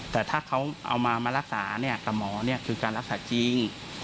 แต่ถ้าเขาเอามามารักษากับหมอคือการรักษาจริง